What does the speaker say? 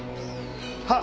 はっ。